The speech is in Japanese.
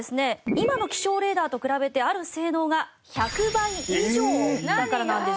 今の気象レーダーと比べてある性能が１００倍以上だからなんです。